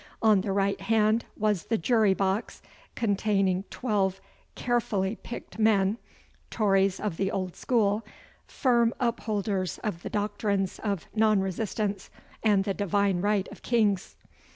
On the right hand was the jury box, containing twelve carefully picked men Tories of the old school firm upholders of the doctrines of non resistance and the divine right of kings.